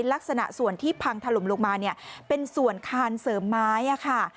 ลักษณะส่วนที่พังถล่มลงมาเนี่ยเป็นส่วนคานเสริมไม้ค่ะ